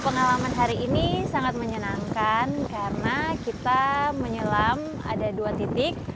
pengalaman hari ini sangat menyenangkan karena kita menyelam ada dua titik